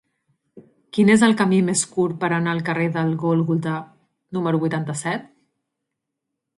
Quin és el camí més curt per anar al carrer del Gòlgota número vuitanta-set?